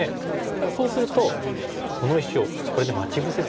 ただそうするとこの石をこれで待ち伏せてるイメージですね。